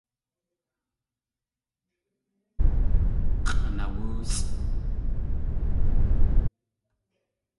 X̲ʼanawóosʼ!